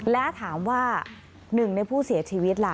และถามว่าหนึ่งในผู้เสียชีวิตล่ะ